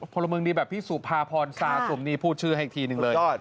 พลเมืองดีแบบพี่สุภาพรซาสุมนี่พูดชื่อให้อีกทีหนึ่งเลย